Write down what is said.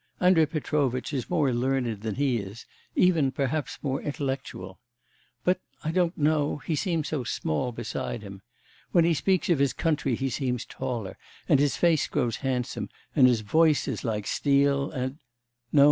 Andrei Petrovitch is more learned than he is, even, perhaps more intellectual. But I don't know, he seems so small beside him. When he speaks of his country he seems taller, and his face grows handsome, and his voice is like steel, and... no...